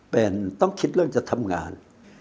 เป็นต้องคิดเรื่องจะทำงาน